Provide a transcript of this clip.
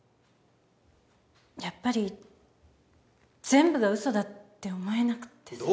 やっぱり全部が嘘だって思えなくってさ。